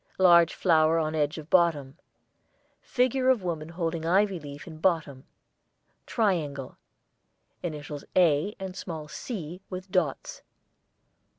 Large flower on edge of bottom. Figure of woman holding ivy leaf in bottom. Triangle. Initials 'A' and small 'C' with dots.